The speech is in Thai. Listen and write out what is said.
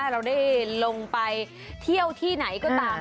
เราได้ลงไปเที่ยวที่ไหนก็ตาม